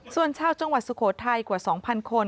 ส่วนชาวจังหวัดสุโขทัยกว่า๒๐๐คน